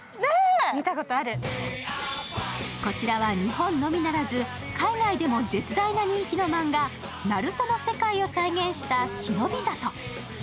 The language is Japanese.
こちらは日本のみならず海外でも絶大な人気のマンガ、「ＮＡＲＵＴＯ」の世界を再現した忍里。